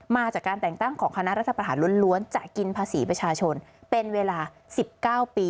มาจากการแต่งตั้งของคณะรัฐประหารล้วนจะกินภาษีประชาชนเป็นเวลา๑๙ปี